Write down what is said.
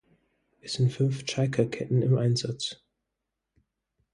Es sind fünf "Tschaika"-Ketten im Einsatz.